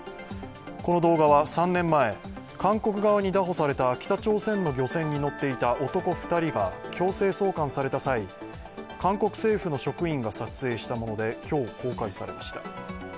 この動画は３年前、韓国側に拿捕された北朝鮮の漁船に乗っていた男２人が強制送還された際、韓国政府の職員が撮影したもので、今日公開されました。